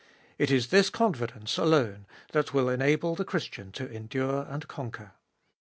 It is this confidence alone that will enable the Christian to endure and conquer.